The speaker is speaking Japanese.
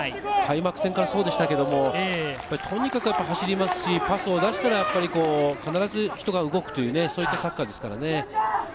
開幕戦からそうでしたが、とにかく走りますし、パスを出したら、必ず人が動くという、そういったサッカーですからね。